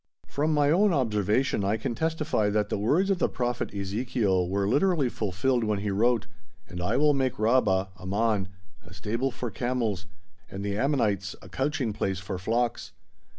From my own observation I can testify that the words of the Prophet Ezekiel were literally fulfilled when he wrote: "And I will make Rabbah (Ammon) a stable for camels, and the Ammonites a couching place for flocks."